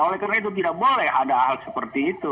oleh karena itu tidak boleh ada hal seperti itu